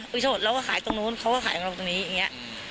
อุ๊ยโทษเราก็ขายตรงโน้นเขาก็ขายตรงนี้อย่างเงี้ย